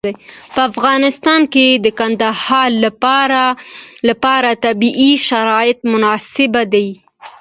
په افغانستان کې د کندهار لپاره طبیعي شرایط مناسب دي.